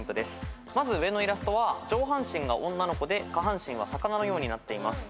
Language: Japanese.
まず上のイラストは上半身が女の子で下半身は魚のようになっています。